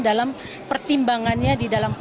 dalam pertimbangannya di dalam hal ini